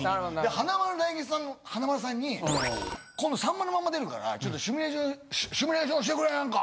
華丸・大吉さんの華丸さんに今度『さんまのまんま』出るから「シミュレーションしてくれへんか？